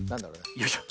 よいしょ。